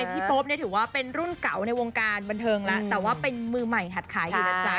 โป๊ปถือว่าเป็นรุ่นเก่าในวงการบันเทิงแล้วแต่ว่าเป็นมือใหม่หัดขายอยู่นะจ๊ะ